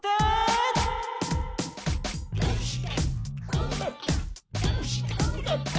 こうなった？